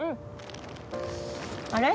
あれ？